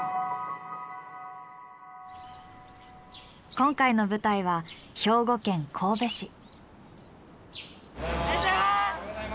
今回の舞台はおはようございます。